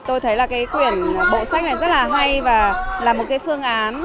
tôi thấy là cái quyển bộ sách này rất là hay và là một cái phương án